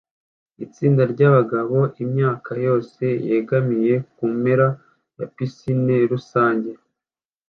itsinda ryabagabo (imyaka yose) yegamiye kumpera ya pisine rusange